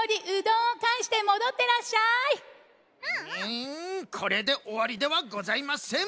んこれでおわりではございません！